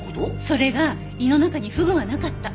それが胃の中にフグはなかった。